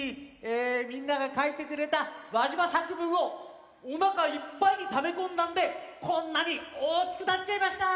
みんながかいてくれたわじま作文をおなかいっぱいにためこんだんでこんなにおおきくなっちゃいました！